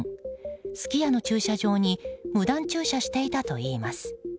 すき家の駐車場に無断駐車していたといいます。